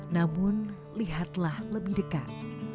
namun lihatlah lebih dekat